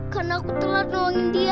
karena aku telat nolongin dia